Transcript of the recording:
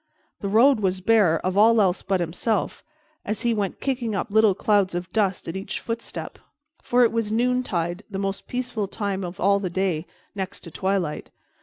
The road was bare of all else but himself, as he went kicking up little clouds of dust at each footstep; for it was noontide, the most peaceful time of all the day, next to twilight.